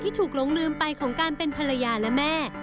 ถูกหลงลืมไปของการเป็นภรรยาและแม่